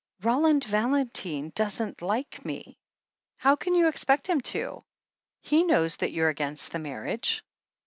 Roland Valentine doesn't like me." "How can you expect him to, when he knows that you're against the marriage